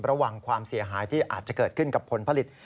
ความเสียหายที่อาจจะเกิดขึ้นกับผลผลิต